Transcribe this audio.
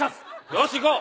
よしいこう。